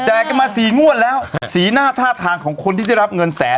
กันมาสี่งวดแล้วสีหน้าท่าทางของคนที่ได้รับเงินแสน